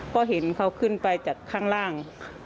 ก็เห็นเขาขึ้นไปจากข้างล่าง